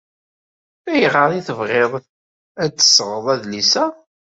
Ayɣer ay tebɣiḍ ad d-tesɣeḍ adlis-a?